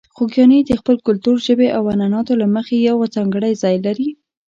خوږیاڼي د خپل کلتور، ژبې او عنعناتو له مخې یو ځانګړی ځای دی.